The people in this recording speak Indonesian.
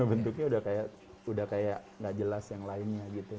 bentuknya udah kayak gak jelas yang lainnya gitu